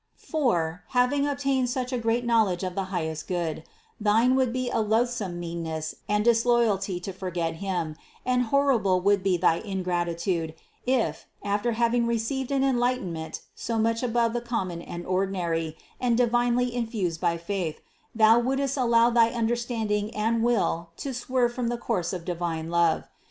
For, having obtained such a great knowledge of 196 CITY OF GOD the highest Good, thine would be a loathsome meanness and disloyalty to forget Him, and horrible would be thy ingratitude, if, after having received an enlightenment so much above the common and ordinary, and divinely in fused by faith, thou wouldst allow thy understanding and will to swerve from the course of divine love.